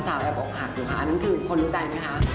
สาวอยากบอกหากรูพานั่นคือคนรู้ใจมั้ยคะ